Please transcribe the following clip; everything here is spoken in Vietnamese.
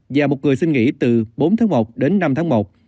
và một người xin nghỉ từ bốn tháng một đến một mươi tám tháng một